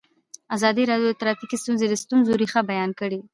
ازادي راډیو د ټرافیکي ستونزې د ستونزو رېښه بیان کړې.